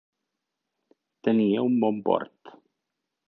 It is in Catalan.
Tenia un bon port.